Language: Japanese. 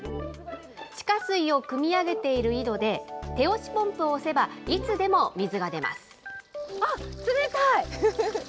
地下水をくみ上げている井戸で、手押しポンプを押せば、いつでも水が出ます。